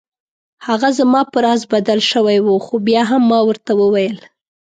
هغه زما په راز بدل شوی و خو بیا هم ما ورته وویل.